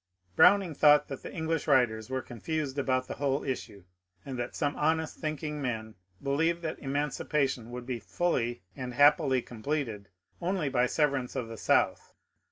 Browning thought that the English writers were confused about the whole issue, and that .some honest thinking men believed that emancipation would be fully and happily completed only by severance of the South.